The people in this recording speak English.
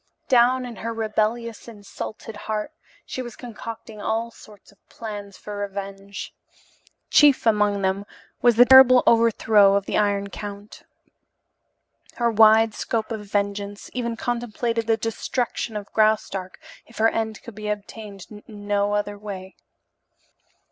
Down in her rebellious, insulted heart she was concocting all sorts of plans for revenge. Chief among them was the terrible overthrow of the Iron Count. Her wide scope of vengeance even contemplated the destruction of Graustark if her end could be obtained in no other way.